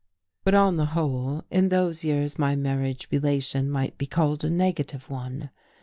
But on the whole, in those years my marriage relation might be called a negative one.